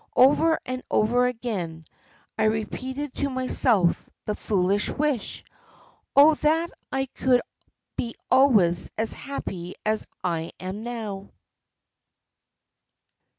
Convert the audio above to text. Over and over again, I repeated to myself the foolish wish, 'Oh that I could be always as happy as I am now.